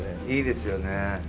いいですよね。